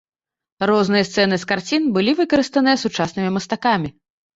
Розныя сцэны з карцін былі выкарыстаныя сучаснымі мастакамі.